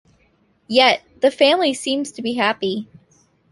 Yet, the family seems to be happy.